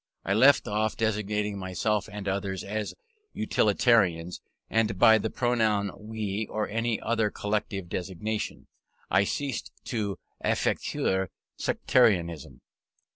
I left off designating myself and others as Utilitarians, and by the pronoun "we," or any other collective designation, I ceased to afficher sectarianism.